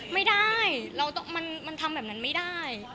ไม่ได้มันทำแบบนั้นไม่ได้